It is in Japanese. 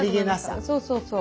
そうそうそう。